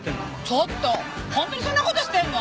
ちょっと本当にそんな事してるの？